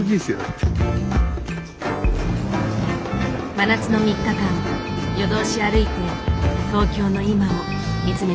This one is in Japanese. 真夏の３日間夜通し歩いて東京の今を見つめてみた。